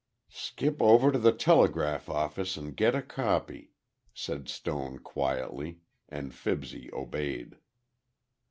"Skip over to the Telegraph office and get a copy," said Stone quietly, and Fibsy obeyed.